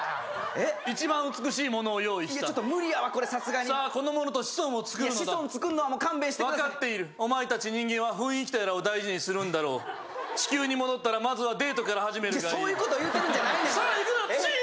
１番美しい者を用意したちょっと無理やわこれさすがにさあこの者と子孫をつくるのだ子孫つくるのは勘弁してください分かっているお前達人間は雰囲気とやらを大事にするんだろ地球に戻ったらまずはデートから始めるがいいそういうこと言うてるんじゃないねんさあ行くぞピシン！